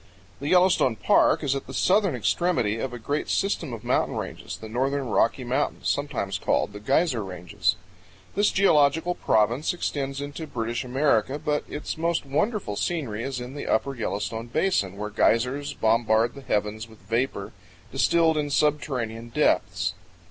The Yellowstone Park is at the southern extremity of a great system of mountain ranges, the northern Rocky Mountains, sometimes called the Geyser Ranges. This geological province extends into British America, but its most wonderful scenery is in the upper Yellowstone basin, where geysers bombard the heavens with vapor distilled in subterranean depths.